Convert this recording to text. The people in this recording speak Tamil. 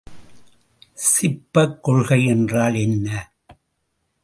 சிப்பக் கொள்கை என்றால் என்ன?